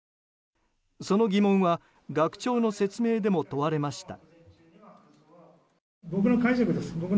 その疑問は学長の説明でも問われました。